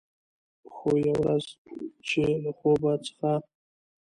خو، یوه ورځ چې له خوب څخه